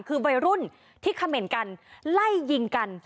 คือวัยรุ่นที่เขม่นกันไล่ยิงกัน